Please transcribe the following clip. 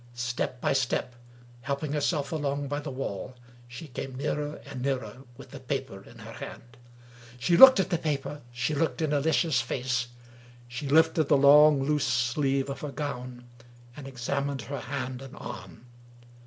Step by step, helping herself along by the wall, she came nearer and nearer, with the paper in her hand. She looked at the paper — she looked in Alicia's face — she lifted the long, loose sleeve of her gown, and examined her hand and arm.